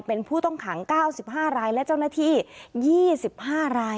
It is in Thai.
เป็นผู้ต้องขัง๙๕รายและเจ้าหน้าที่๒๕ราย